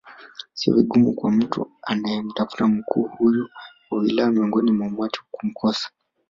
Sio vigumu kwa mtu anayemtafuta mkuu huyu wa wilaya miongoni mwa umati kumkosa